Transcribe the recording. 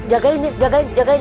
jagain jagain jagain